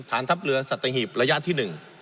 ฐานทัพเรือสัตหีบระยะที่๑